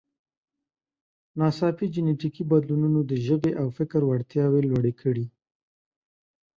ناڅاپي جینټیکي بدلونونو د ژبې او فکر وړتیاوې لوړې کړې.